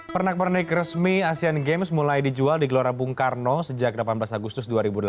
pernak pernik resmi asean games mulai dijual di gelora bung karno sejak delapan belas agustus dua ribu delapan belas